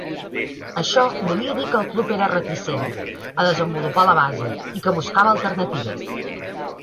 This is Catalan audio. Això volia dir que el club era reticent a desenvolupar la base i que buscava alternatives.